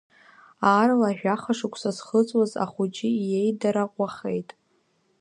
Аарла жәаха шықәса зхыҵуаз ахәыҷы иеидара ӷәӷәахеит.